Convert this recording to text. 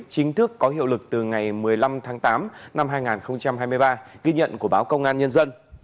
chính thức có hiệu lực từ ngày một mươi năm tháng tám năm hai nghìn hai mươi ba ghi nhận của báo công an nhân dân